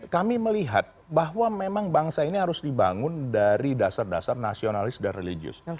kami melihat bahwa memang bangsa ini harus dibangun dari dasar dasar nasionalis dan religius